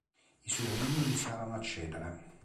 I suoi reni iniziarono a cedere.